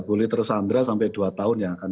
boleh tersandra sampai dua tahun yang akan